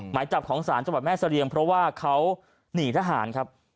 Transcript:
หมายจับของศาลจังหวัดแม่เสรียงเพราะว่าเขาหนีทหารครับ